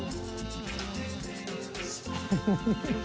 フフフフ。